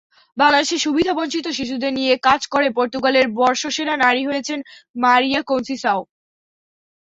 বাংলাদেশের সুবিধাবঞ্চিত শিশুদের নিয়ে কাজ করে পর্তুগালের বর্ষসেরা নারী হয়েছেন মারিয়া কন্সিসাও।